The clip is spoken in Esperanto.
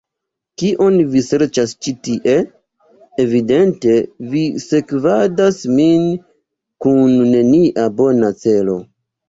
Kion vi serĉas ĉi tie? Evidente vi sekvadas nin kun nenia bona celo.